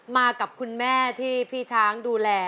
มากับคุณแม่ที่พี่ช้างดูแล